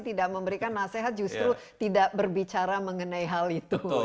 tidak memberikan nasihat justru tidak berbicara mengenai hal itu